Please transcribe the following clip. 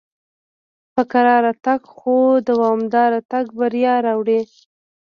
په کراره تګ خو دوامدار تګ بریا راوړي.